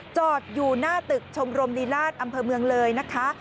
จอดอยู่หน้าตึกชมรมลีลาศอำเภอเมืองเลยนะคะ